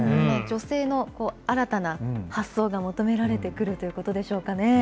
女性の新たな発想が求められてくるということでしょうかね。